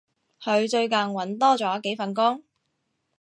佢最近搵多咗幾份工